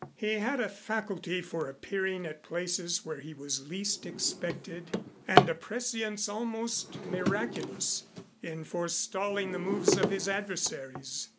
He had a faculty for appearing at places where he was least expected and a prescience almost miraculous in forestalling the moves of his adversaries.